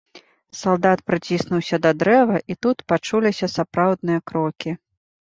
Салдат прыціснуўся да дрэва, і тут пачуліся сапраўдныя крокі.